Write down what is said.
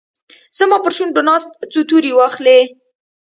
زما پرشونډو ناست، څو توري واخلې